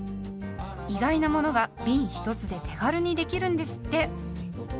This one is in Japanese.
意外なものがびん１つで手軽にできるんですって。